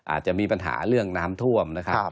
อาจจะมีปัญหาเรื่องน้ำท่วมนะครับ